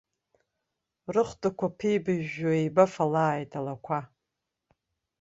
Рыхәдацәақәа ԥибажәжәо, еибафалааит алақәа.